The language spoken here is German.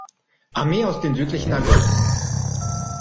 Armee aus den südlichen Argonnen.